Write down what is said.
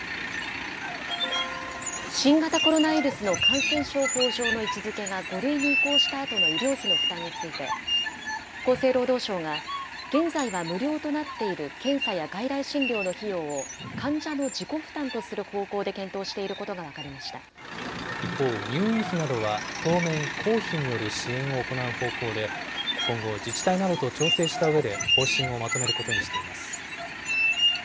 新型コロナウイルスの感染症法上の位置づけが５類に移行したあとの医療費の負担について、厚生労働省が、現在は無料となっている検査や外来診療の費用を、患者の自己負担とする方向で検討し一方、入院費などは当面、公費による支援を行う方向で、今後、自治体などと調整したうえで方針をまとめることにしています。